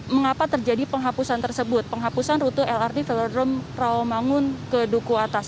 mengapa terjadi penghapusan tersebut penghapusan rute lrt velodrome rawamangun ke duku atas